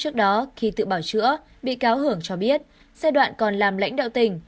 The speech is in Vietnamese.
trước đó khi tự bảo chữa bị cáo hường cho biết xe đoạn còn làm lãnh đạo tỉnh